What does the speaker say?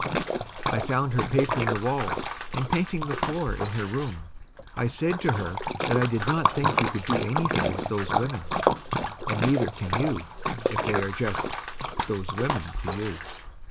I found her papering the walls and painting the floor in her room. I said to her that I did not think you could do anything with those women, and neither can you, if they are just "those women" to you.